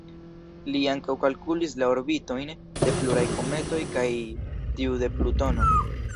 Li ankaŭ kalkulis la orbitojn de pluraj kometoj kaj tiu de Plutono.